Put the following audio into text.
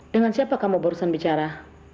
dengan siapa kamu barusan bicara